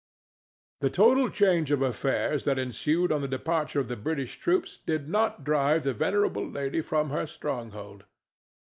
The total change of affairs that ensued on the departure of the British troops did not drive the venerable lady from her stronghold.